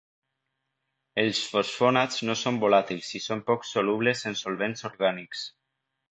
Els fosfonats no són volàtils i són poc solubles en solvents orgànics.